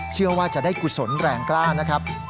เชื่อว่าจะได้กุศลแรงกล้านะครับ